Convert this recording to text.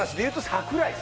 櫻井